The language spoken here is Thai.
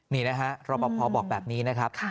นี่นะฮะรอปภบอกแบบนี้นะครับ